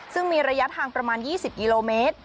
ซึ่งมีระยะทางประมาณ๒๐กิโลเมตร